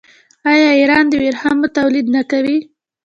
آیا ایران د ورېښمو تولید نه کوي؟